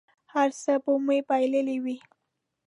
هر څه به مو بایللي وي.